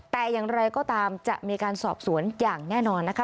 แต่อย่างไรก็ตามจะมีการสอบสวนอย่างแน่นอนนะคะ